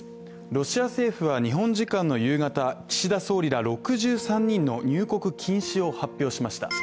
ロシア政府は日本時間の夕方、岸田総理ら６３人の入国禁止を発表しました。